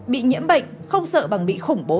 bị nhiễm bệnh không sợ bằng bị khủng bố